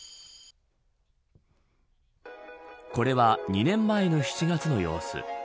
これは２年前の７月の様子。